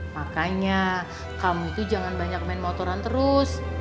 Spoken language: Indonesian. makanya kamu tuh jangan banyak main motoran terus